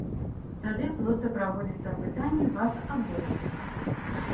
Тады проста праводзіцца апытанне вас абодвух.